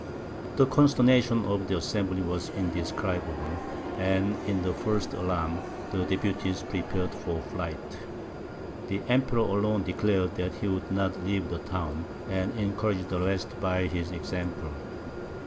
The consternation of the assembly was indescribable; and, in the first alarm, the deputies prepared for flight. The Emperor alone declared that he would not leave the town, and encouraged the rest by his example.